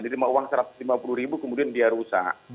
jadi mau uang satu ratus lima puluh ribu kemudian dia rusak